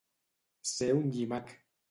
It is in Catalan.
Ser un llimac.